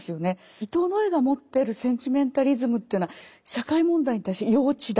伊藤野枝が持ってるセンチメンタリズムというのは社会問題に対して幼稚だ